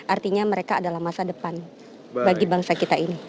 artinya mereka adalah masa depan bagi bangsa kita ini